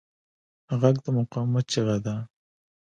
غږ د مقاومت چیغه ده